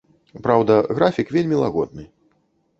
Праўда, графік вельмі лагодны.